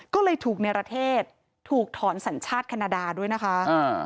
ก็เลยถูกในประเทศถูกถอนสัญชาติแคนาดาด้วยนะคะอ่า